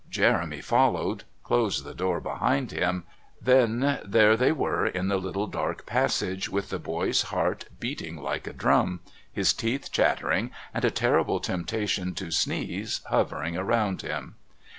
Jeremy followed, closed the door behind him; then there they were in the little dark passage with the boy's heart beating like a drum, his teeth chattering, and a terrible temptation to sneeze hovering around him.